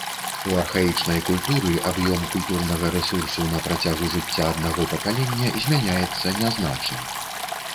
У архаічнай культуры аб'ём культурнага рэсурсу на працягу жыцця аднаго пакалення змяняецца нязначна.